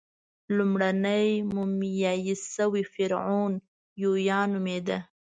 لومړنی مومیایي شوی فرعون یویا نومېده.